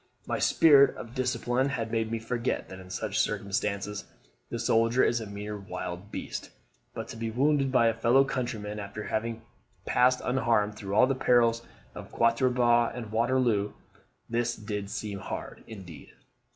My spirit of discipline had made me forget that in such circumstances the soldier is a mere wild beast. But to be wounded by a fellow countryman after having passed unharmed through all the perils of Quatre Bras and Waterloo! this did seem hard, indeed.